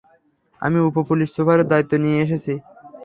আমি উপ-পুলিশ সুপারের দায়িত্ব নিয়েছি।